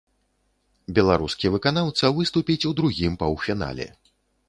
Беларускі выканаўца выступіць у другім паўфінале.